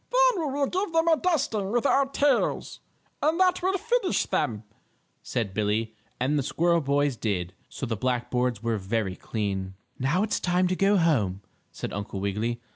"Then we will give them a dusting with our tails, and that will finish them," said Billie, and the squirrel boys did, so the black boards were very clean. "Now it's time to go home," said Uncle Wiggily.